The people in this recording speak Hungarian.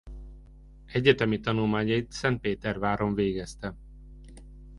Egyetemi tanulmányait Szentpéterváron végezte.